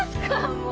もう。